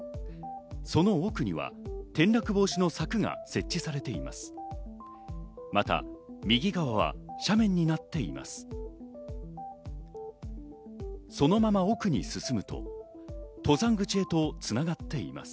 その奥には転落防止の柵が設置されています。